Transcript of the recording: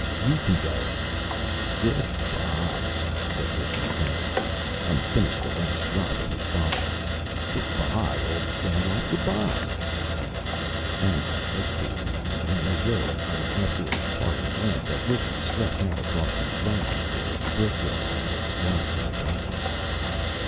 You can go " "Goo' bye!" said Wixy carelessly, and finished the last drop in his bottle. "Goo' bye, ol' Sandlot! Goo' bye!" Sandlot hesitated a moment and then arose and, after a parting glance at Wixy, struck out across the drying floor of the brick yard, and was lost in the darkness.